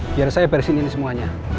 biar saya beresin ini semuanya